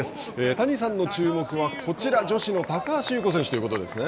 谷さんの注目はこちら、女子の高橋侑子選手ということですね。